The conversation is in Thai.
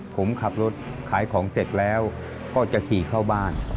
ผมขับรถขายของเสร็จแล้วก็จะขี่เข้าบ้าน